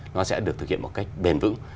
nó sẽ được thực hiện một cách bền vững